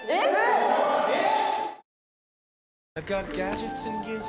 えっ！？